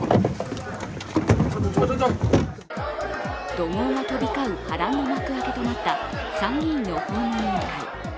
怒号が飛び交う波乱の幕開けとなった参議院の法務委員会。